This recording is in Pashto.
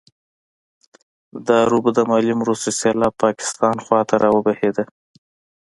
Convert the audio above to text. د عربو د مالي مرستو سېلاب پاکستان خوا ته راوبهېده.